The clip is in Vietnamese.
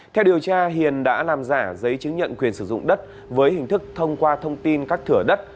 theo điều tra hiền đã làm giả giấy chứng nhận quyền sử dụng đất với hình thức thông qua thông tin các thửa đất